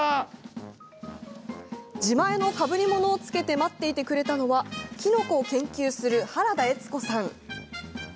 自前のかぶりものを着けて待ってくれていたのはキノコを研究する原田栄津子さん。